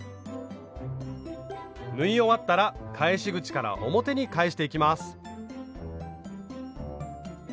縫い終わったら返し口から表に返していきます。